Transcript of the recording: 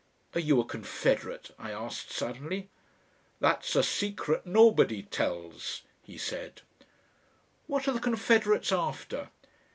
"Are you a Confederate?" I asked suddenly. "That's a secret nobody tells," he said. "What are the Confederates after?"